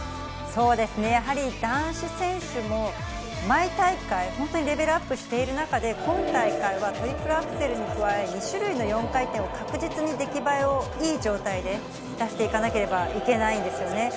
やはり男子選手も毎大会レベルアップしている中で、今大会はトリプルアクセルに加え、２種類の４回転を確実に出来栄えをいい状態で出していかなければいけないですよね。